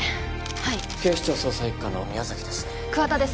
はい警視庁捜査一課の宮崎です